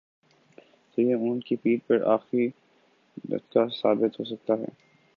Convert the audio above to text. تو یہ اونٹ کی پیٹھ پر آخری تنکا ثابت ہو سکتا ہے۔